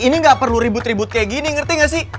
ini nggak perlu ribut ribut kayak gini ngerti gak sih